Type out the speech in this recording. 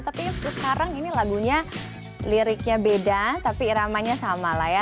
tapi sekarang ini lagunya liriknya beda tapi iramanya sama lah ya